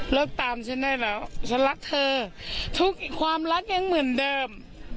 แล้วตามฉันได้แล้วฉันรักเธอทุกความรักยังเหมือนเดิม